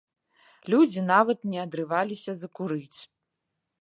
Людзі нават не адрываліся закурыць.